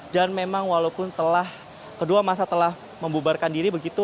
dan memang walaupun telah kedua masa telah membubarkan diri begitu